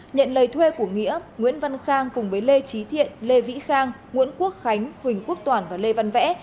nhận lời thuê của nghĩa nguyễn văn khang cùng với lê trí thiện lê vĩ khang nguyễn quốc khánh huỳnh quốc toàn và lê văn vẽ